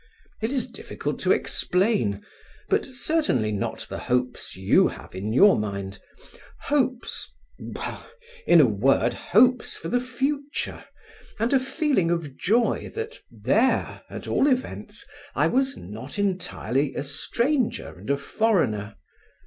"It is difficult to explain, but certainly not the hopes you have in your mind. Hopes—well, in a word, hopes for the future, and a feeling of joy that there, at all events, I was not entirely a stranger and a foreigner.